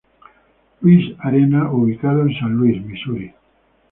Louis Arena ubicado en San Luis, Misuri.